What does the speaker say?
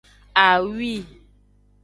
Awi.